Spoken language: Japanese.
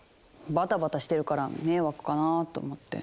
バタバタしてるから迷惑かなぁと思って。